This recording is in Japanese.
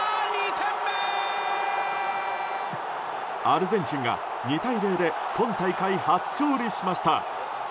アルゼンチンが２対０で今大会初勝利しました。